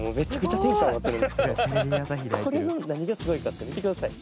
これの何がすごいかって見てください。